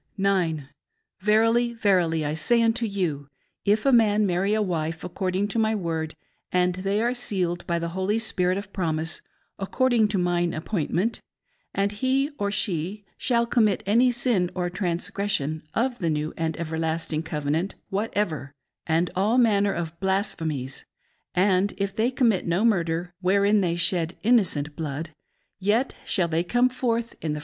9. Verily, verily I say unto you, if a man marry a wife according to my word, and they are sealed by the Holy Spirit of promise, according to mine appoint ment, and he or she shall commit any sin or transgression of the new and ever lasting covenant whatever, and all manner of blasphemies, and if they commit no murder, wherein they shed innocent blood— yet they shall come forth in the THE COMMISSION OF THE KEYS.